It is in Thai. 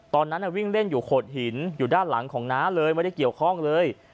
ตอนนั้นวิ่งเล่นอยู่โขดหินอยู่ด้านหลังของน้าเลยไม่ได้เกี่ยวข้องเลย